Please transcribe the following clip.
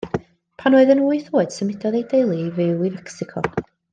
Pan oedd yn wyth oed symudodd ei deulu i fyw i Fecsico.